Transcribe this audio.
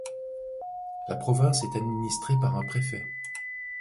La province est administrée par un préfet.